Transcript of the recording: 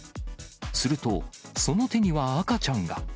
すると、その手には赤ちゃんが。